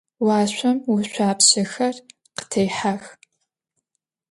Уашъом ошъуапщэхэр къытехьэх.